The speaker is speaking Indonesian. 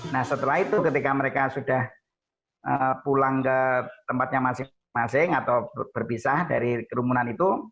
nah setelah itu ketika mereka sudah pulang ke tempatnya masing masing atau berpisah dari kerumunan itu